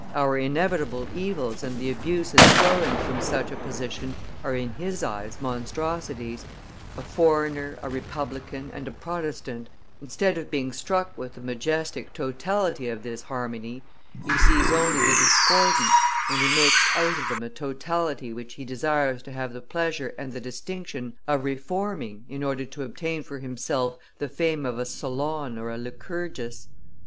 Our inevitable evils and the abuses flowing from such a position are in his eyes monstrosities; a foreigner, a republican, and a Protestant, instead of being struck with the majestic totality of this harmony, he sees only the discordants, and he makes out of them a totality which he desires to have the pleasure and the distinction of reforming in order to obtain for himself the fame of a Solon or a Lycurgus.